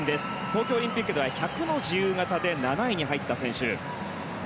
東京オリンピックでは１００の自由形で７位に入った選手。